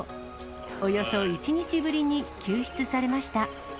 およそ１日ぶりに救出されました。